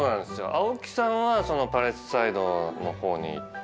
青木さんはそのパレスサイドの方に行って。